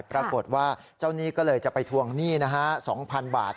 ปรากฏว่าเจ้าหนี้ก็เลยจะไปทวงหนี้นะฮะ๒๐๐๐บาท